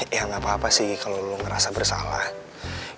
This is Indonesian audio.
ya gak apa apa sih kalo lu ngerasa bersalah